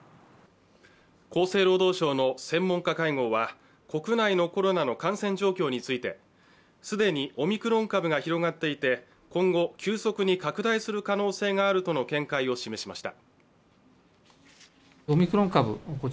厚生労働省の専門家会合は国内のコロナの感染状況について既にオミクロン株が広がっていて今後、急速に拡大する可能性があるとの見解を示しました。